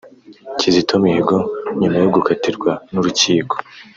Kizito Mihigo nyuma yo gukatirwa n’urukiko